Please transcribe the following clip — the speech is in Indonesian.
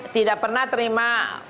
tidak pernah terima